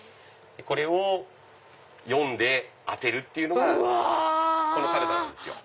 これを読んで当てるっていうのがこのカルタなんですよ。